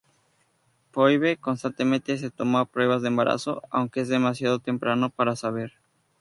Phoebe constantemente se toma pruebas de embarazo, aunque es demasiado temprano para saber.